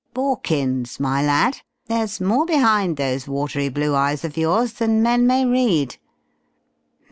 Borkins, my lad, there's more behind those watery blue eyes of yours than men may read.